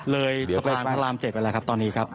เลยสะพานพระราม๗ไปแล้วครับตอนนี้ครับ